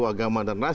agama dan ras